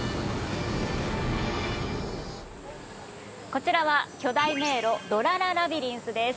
こちらは巨大迷路ドラ・ラ・ラビリンスです。